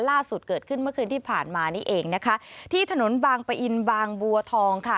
ล่าสุดเกิดขึ้นเมื่อคืนที่ผ่านมานี่เองนะคะที่ถนนบางปะอินบางบัวทองค่ะ